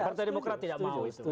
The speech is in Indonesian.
partai demokrat tidak mau itu